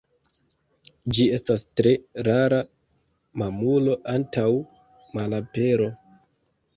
Ĝi estas tre rara mamulo, antaŭ malapero.